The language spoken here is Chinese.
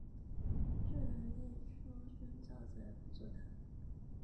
竖牛立叔孙昭子来辅佐他。